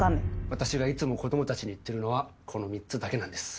私がいつも子どもたちに言っているのはこの３つだけなんです。